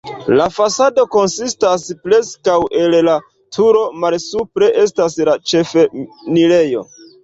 La fasado konsistas preskaŭ el la turo, malsupre estas la ĉefenirejo.